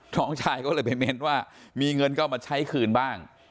น้องชายเขาเลยไปเมนต์ว่ามีเงินเข้ามาใช้คืนบ้าง